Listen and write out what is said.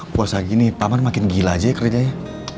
puas lagi nih paman makin gila aja ya kerjanya